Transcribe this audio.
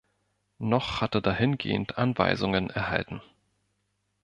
Noch hat er dahingehend Anweisungen erhalten.